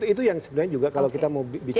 itu yang sebenarnya juga kalau kita mau bicara